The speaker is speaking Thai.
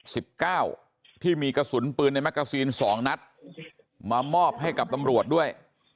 สิบเก้าที่มีกระสุนปืนในแกซีนสองนัดมามอบให้กับตำรวจด้วย